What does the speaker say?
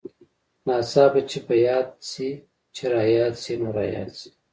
ناڅاپه چې په ياد سې چې راياد سې نو راياد سې.